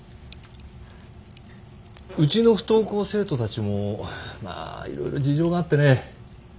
うちの不登校生徒たちもまあいろいろ事情があってね